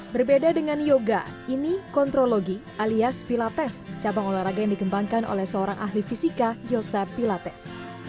berbeda dengan yoga ini kontrologi alias pilates cabang olahraga yang dikembangkan oleh seorang ahli fisika yosa pilates